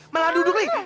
malah duduk nih